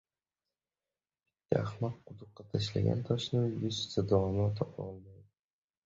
• Bitta ahmoq quduqqa tashlagan toshni yuzta dono topa olmaydi.